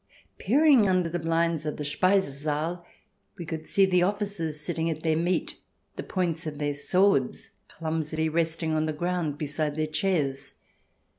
Peering under the blinds of the Speisesaal we could see the officers sitting at their meat, the points of their swords clumsily resting on the ground beside their chairs.